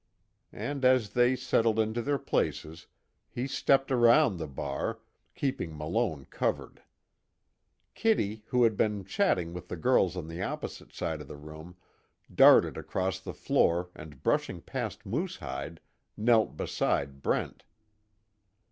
And as they settled into their places he stepped around the bar, keeping Malone covered. Kitty, who had been chatting with the girls on the opposite side of the room, darted across the floor and brushing past Moosehide, knelt beside Brent.